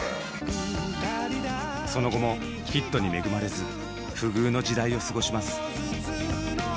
その後もヒットに恵まれず不遇の時代を過ごします。